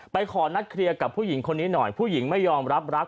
ขอนัดเคลียร์กับผู้หญิงคนนี้หน่อยผู้หญิงไม่ยอมรับรัก